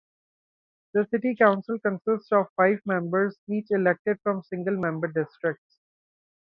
The city council consists of five members each elected from single member districts.